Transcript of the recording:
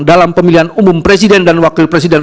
dalam pemilihan umum presiden dan wakil presiden